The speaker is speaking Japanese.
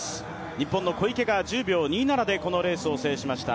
日本の小池が１０秒２７でこのレースを制しました。